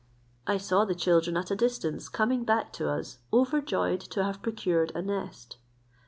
I saw the children at a distance, coming back to us, overjoyed to have procured a nest.